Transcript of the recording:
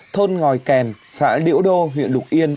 thôn ngòi kèn xã liễu đô huyện lục yên